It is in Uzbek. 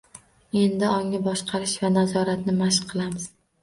Endi ongni boshqarish va nazoratni mashq qilamiz…